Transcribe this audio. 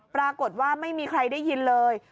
ปรากฏว่าไม่มีใครได้ยินเลย